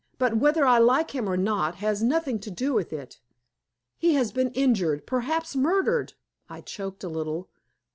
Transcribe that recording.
"But whether I like him or not has nothing to do with it. He has been injured perhaps murdered" I choked a little.